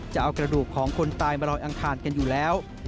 จะเอากระดูกของคนตายมาลอยอังคารกันอยู่แล้ว